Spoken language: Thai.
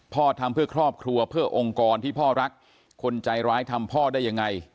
ทำเพื่อครอบครัวเพื่อองค์กรที่พ่อรักคนใจร้ายทำพ่อได้ยังไง